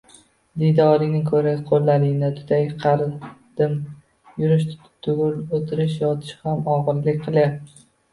Diydoringni koʻray, qoʻllaringdan tutay. Qaridim, yurish tugul, oʻtirish, yotish ham ogʻirlik qilyapti.